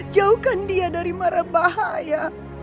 jauhkan dia dari marah bahaya